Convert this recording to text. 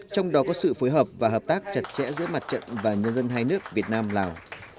trong đó có sự phối hợp và hợp tác chặt chẽ giữa mặt trận và nhân dân hai nước việt nam lào